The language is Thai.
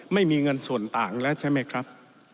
ไม่มีเงินส่วนต่างแล้วใช่ไหมครับ